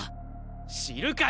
知るかよ！